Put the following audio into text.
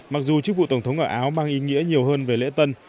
mặc dù chức vụ tổng thống ở áo mang ý nghĩa nhiều hơn về lễ tân